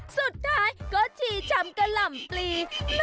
สุดท้ายก็ชีชำกะหล่ำปลี